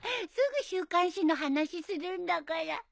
すぐ週刊誌の話するんだから。